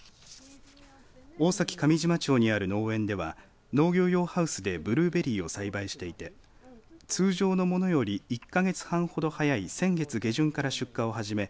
大崎上島町にある農園では農業用ハウスでブルーベリーを栽培していて通常のものより１か月半ほど早い先月下旬から出荷を始め